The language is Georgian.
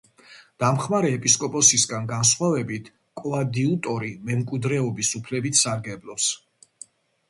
დამხმარე ეპისკოპოსისგან განსხვავებით, კოადიუტორი მემკვიდრეობის უფლებით სარგებლობს.